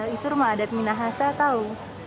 itu rumah adat minahasa tahu